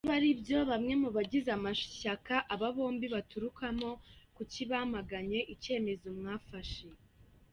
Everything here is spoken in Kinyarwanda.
Niba ari byo, bamwe mu bagize amashyaka aba bombi baturukamo, kuki bamaganye icyemezo mwafashe ?